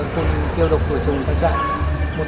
không kêu độc của chồng trang trại